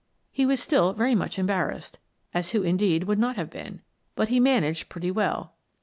He was still very much embarrassed, — as who, indeed, would not have been? — but he managed pretty well.